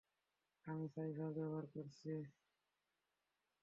আমি সাইফার ব্যবহার করছি।